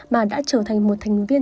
mà đã trở thành một thành viên